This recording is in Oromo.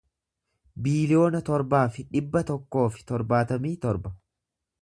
biiliyoona torbaa fi dhibba tokkoo fi torbaatamii torba